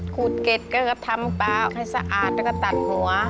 ขูดเก็ดแกก็ทำปลาให้สะอาดแล้วก็ตัดหัว